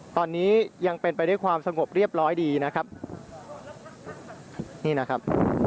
ตอนนี้ยังเป็นไปด้วยความสงบเรียบร้อยดีนะครับนี่นะครับ